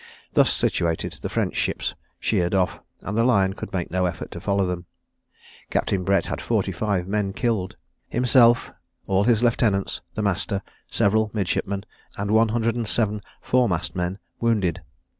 Thus situated, the French ships sheered off, and the Lion could make no effort to follow them. Captain Brett had forty five men killed: himself, all his lieutenants; the master, several midshipmen, and one hundred and seven foremast men, wounded.